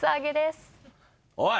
おい！